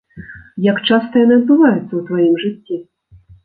Як часта яны адбываюцца ў тваім жыцці?